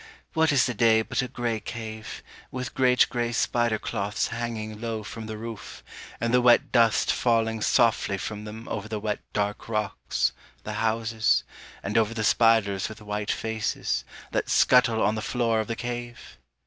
What is the day But a grey cave, with great grey spider cloths hanging Low from the roof, and the wet dust falling softly from them Over the wet dark rocks, the houses, and over The spiders with white faces, that scuttle on the floor of the cave!